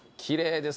きれい！